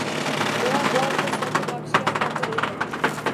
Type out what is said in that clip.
U Volga sotib olishga qodir edi.